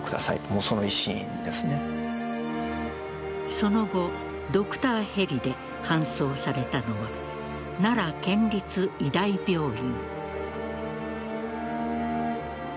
その後ドクターヘリで搬送されたのは奈良県立医大病院。